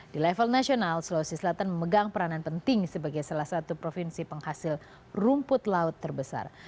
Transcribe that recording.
di level nasional sulawesi selatan memegang peranan penting sebagai salah satu provinsi penghasil rumput laut terbesar